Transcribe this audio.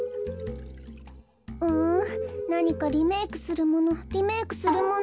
うんなにかリメークするものリメークするもの。